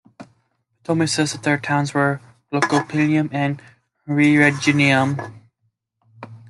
Ptolemy says that their towns were "Locopibium" and "Rerigonium".